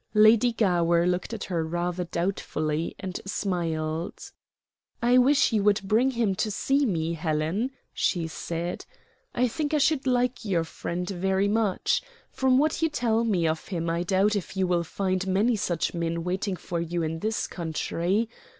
Lady Gower looked at her rather doubtfully and smiled. "I wish you would bring him to see me, Helen" she said; "I think I should like your friend very much. From what you tell me of him I doubt if you will find many such men waiting for you in this country.